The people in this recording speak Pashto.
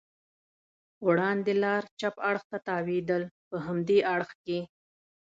وړاندې لار چپ اړخ ته تاوېدل، په همدې اړخ کې.